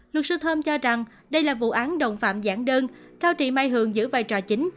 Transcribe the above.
luật sư thơm cho rằng đây là vụ án đồng phạm giản đơn cao trị mai hường giữ vai trò chính